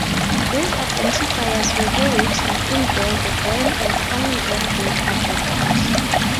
These identifiers will be written in bold when and only when they are vectors.